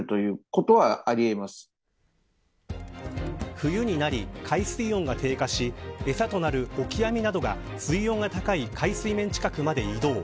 冬になり、海水温が低下し餌となるオキアミなどが水温が高い海水面近くまで移動。